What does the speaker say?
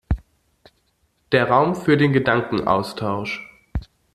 Der Raum für den Gedankenaustausch.